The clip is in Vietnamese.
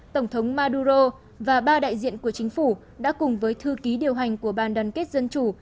tổng thống maduro và ba đại diện của chính phủ đã cùng với thư ký điều hành của bàn đoàn kết dân chủ